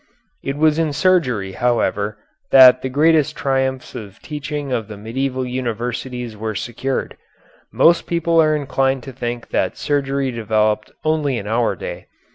It was in surgery, however, that the greatest triumphs of teaching of the medieval universities were secured. Most people are inclined to think that surgery developed only in our day.